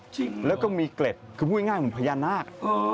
จริงแล้วก็มีเกล็ดคือพูดง่ายเหมือนพญานาค